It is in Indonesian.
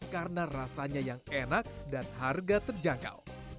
karena rasanya yang enak dan harga terjangkau